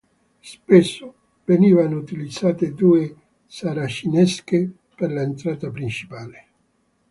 Spesso venivano utilizzate due saracinesche per l'entrata principale.